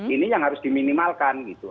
ini yang harus diminimalkan gitu